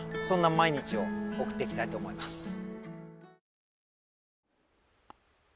そんな毎日を送っていきたいと思います。